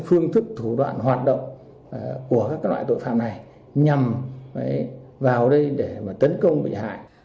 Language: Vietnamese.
phương thức thủ đoạn hoạt động của các loại tội phạm này nhằm vào đây để tấn công bị hại